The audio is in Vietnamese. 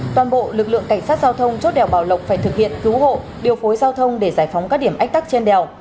toàn bộ lực lượng cảnh sát giao thông chốt đèo bảo lộc phải thực hiện cứu hộ điều phối giao thông để giải phóng các điểm ách tắc trên đèo